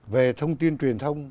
về thông tin truyền thông